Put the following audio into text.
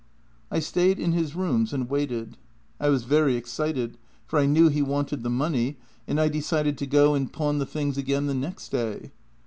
I stayed in his rooms and waited. I was very excited, for I knew he wanted the money, and I decided to go and pawn JENNY 54 the things again the next day.